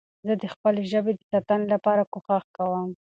زه د خپلي ژبې د ساتنې لپاره کوښښ کوم.